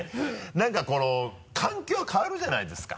何かこの環境が変わるじゃないですか。